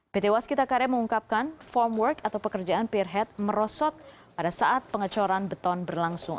pt waskita karya mengungkapkan formwork atau pekerjaan peer head merosot pada saat pengecoran beton berlangsung